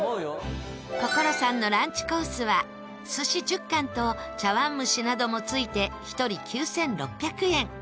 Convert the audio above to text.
こゝろさんのランチコースは寿司１０貫と茶碗蒸しなども付いて１人９６００円